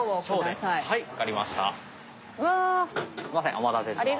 お待たせしました。